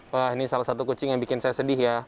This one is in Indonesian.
wah ini salah satu kucing yang bikin saya sedih ya